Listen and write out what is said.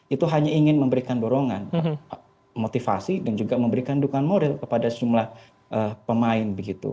itu hanya ingin memberikan dorongan motivasi dan juga memberikan dukungan moral kepada sejumlah pemain